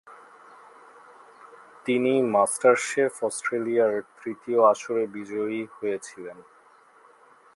তিনি "MasterChef Australia" র তৃতীয় আসরে বিজয়ী হয়েছিলেন।